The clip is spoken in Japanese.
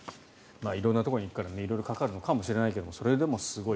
色んなところに行くから色々かかるのかもしれないけどそれでもすごい。